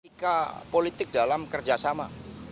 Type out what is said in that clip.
ketika politik dalam kerjasama